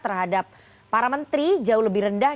terhadap para menteri jauh lebih rendah